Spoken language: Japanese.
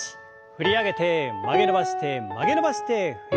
振り上げて曲げ伸ばして曲げ伸ばして振り下ろす。